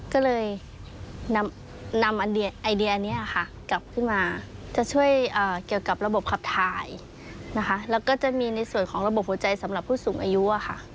ก็เลยนำไอเดียนี้ค่ะกลับขึ้นมาจะช่วยเกี่ยวกับระบบขับถ่ายนะคะแล้วก็จะมีในส่วนของระบบหัวใจสำหรับผู้สูงอายุค่ะ